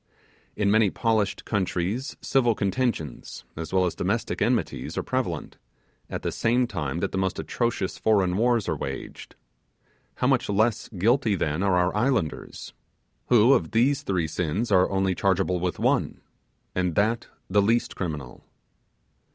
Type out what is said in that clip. In many polished countries civil contentions, as well as domestic enmities, are prevalent, and the same time that the most atrocious foreign wars are waged. How much less guilty, then, are our islanders, who of these three sins are only chargeable with one, and that the least criminal!